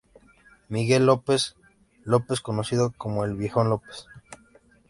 Miguel López López conocido como "El Viejo López".